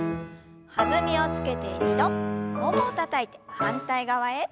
弾みをつけて２度ももをたたいて反対側へ。